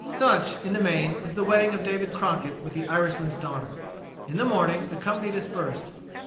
Such, in the main, was the wedding of David Crockett with the Irishman's daughter. In the morning the company dispersed.